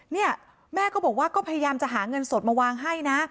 เนี่ยแม่ก็บอกว่าก็พยายามจะหาเงินสดมาวางให้นะ